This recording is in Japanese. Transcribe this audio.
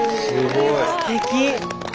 すてき！